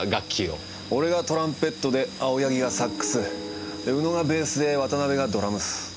俺がトランペットで青柳がサックス宇野がベースで渡辺がドラムス。